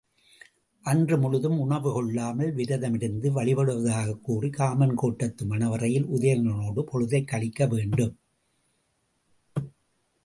அன்று முழுவதும் உணவு கொள்ளாமல் விரதமிருந்து வழிபடுவதாகக் கூறிக் காமன் கோட்டத்து மணவறையில் உதயணனோடு பொழுதைக் கழிக்க வேண்டும்.